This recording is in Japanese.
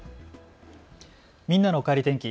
みんなのおかえり天気。